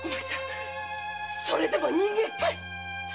それでもあんた人間かい！